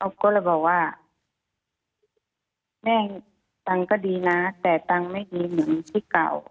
ก็เลยบอกว่าแม่ตังค์ก็ดีนะแต่ตังค์ไม่ดีเหมือนที่เก่า